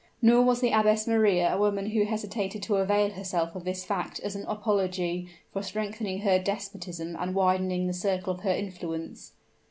Nor was the Abbess Maria a woman who hesitated to avail herself of this fact as an apology for strengthening her despotism and widening the circle of her influence.